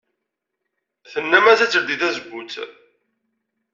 Tennam-as ad teldey tazewwut.